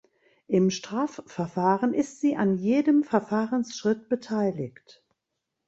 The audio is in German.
Im Strafverfahren ist sie an jedem Verfahrensschritt beteiligt.